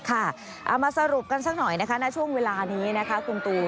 ค่ะเอามาสรุปกันสักหน่อยนะคะช่วงเวลานี้นะคะ